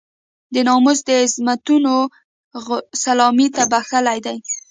د ناموس د عظمتونو سلامي ته بخښلی دی.